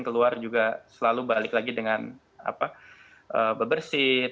keluar juga selalu balik lagi dengan bebersih